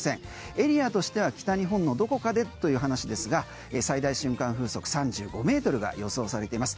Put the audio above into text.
エリアとしては北日本のどこかでという話ですが最大瞬間風速３５ｍが予想されています。